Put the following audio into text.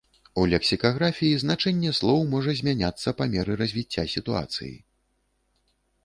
У лексікаграфіі значэнне слоў можа змяняцца па меры развіцця сітуацыі.